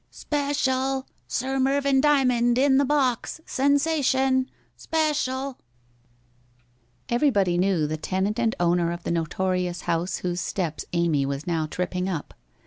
' Speshul ! Sir Mervyn Dymond in the box ! Sensation ! Speshul !' Everybody knew the tenant and owner of the notorious house whose steps Amy was now tripping up.